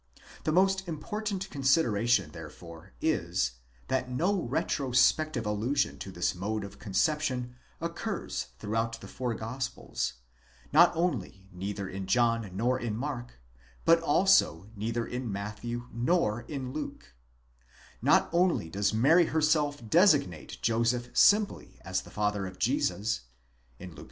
The most important consideration therefore is, that no retrospective allusion to this mode of conception occurs throughout the four Gospels ; not only neither in John nor in Mark, but also neither in Matthew nor in Luke, Not only does Mary herself designate Joseph simply as the father of Jesus (Luke ii.